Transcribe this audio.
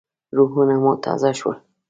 روحونه مو تازه شول.